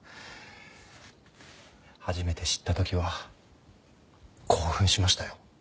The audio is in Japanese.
初めて知った時は興奮しましたよ。